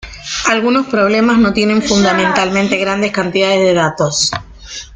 Algunos problemas no tienen fundamentalmente grandes cantidades de datos.